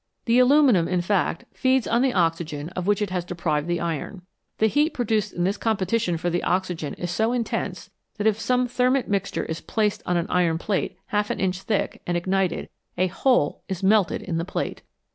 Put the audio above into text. The aluminium, in fact, feeds on the oxygen of which it has deprived the iron. The heat produced in this competition for the oxygen is so intense that if some thermit mixture is placed on an iron plate half an inch thick, and ignited, a hole is melted in the plate.